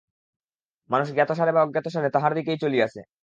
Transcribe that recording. মানুষ জ্ঞাতসারে বা অজ্ঞাতসারে তাঁহার দিকেই চলিয়াছে।